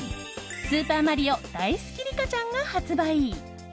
スーパーマリオだいすきリカちゃんが発売！